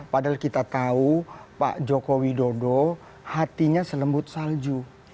padahal kita tahu pak jokowi dodo hatinya selembut salju